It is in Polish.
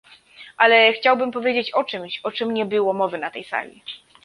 Ale chciałbym powiedzieć o czymś, o czym nie było mowy na tej sali